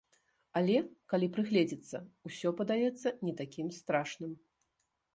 Але, калі прыгледзецца, усё падаецца не такім страшным.